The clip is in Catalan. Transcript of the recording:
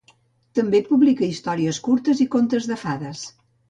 També publica històries curtes i contes de fades.